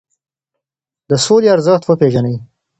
د سولي ارزښت وپیرژنئ.